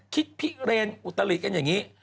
คิดพิเรนอุตลิกันอย่างนี้